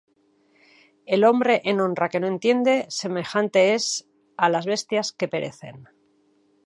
El hombre en honra que no entiende, Semejante es á las bestias que perecen.